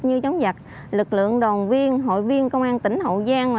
như chống giặt lực lượng đoàn viên hội viên công an tỉnh hậu giang